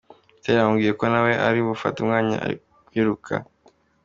Butera bamubwiye ko nawe ari bufate umwanya akiruka.